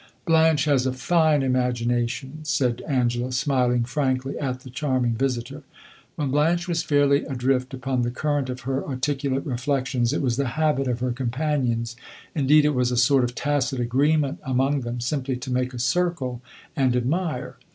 "Blanche has a fine imagination," said Angela, smiling frankly at the charming visitor. When Blanche was fairly adrift upon the current of her articulate reflections, it was the habit of her companions indeed, it was a sort of tacit agreement among them simply to make a circle and admire.